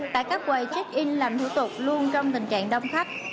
tại các quầy check in làm thủ tục luôn trong tình trạng đông khách